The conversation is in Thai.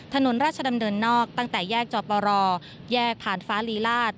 ถนนราชดำเนินนอกตั้งแต่แยกจอปรแยกผ่านฟ้าลีลาศ